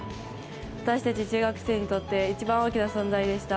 私たち中学生にとって一番大きな存在でした。